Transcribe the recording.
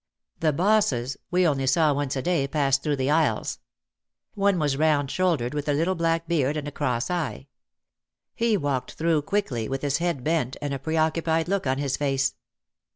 The "bosses" we only saw once a day pass through the aisles. One was round shouldered with a little black beard and a cross eye. He walked through quickly with his head bent and a preoccupied look on his face.